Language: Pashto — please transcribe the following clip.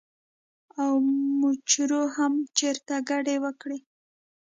او مچرو هم چرته کډې وکړې ـ